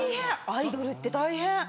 アイドルって大変。